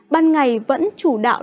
ban ngày vẫn chủ đạo